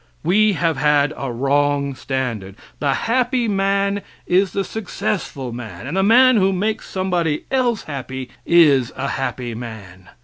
We have had a wrong standard. The happy man is the successful man; and the man who makes somebody else happy, is a happy man.